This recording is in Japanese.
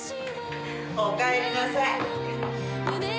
おかえりなさい。